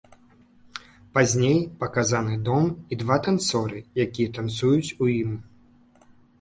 Пазней паказаны дом і два танцоры, якія танцуюць у ім.